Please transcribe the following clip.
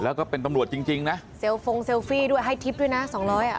แล้วก็เป็นตำรวจจริงนะเซลโฟงเซลฟี่ด้วยให้ทิปด้วยนะ๒๐๐บาท